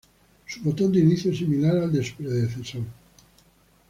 Su botón de inicio es similar al de su predecesor.